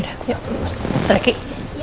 yaudah yuk terima kasih